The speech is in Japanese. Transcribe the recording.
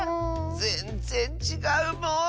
ぜんぜんちがうもん！